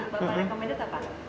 bapak rekomendasi apa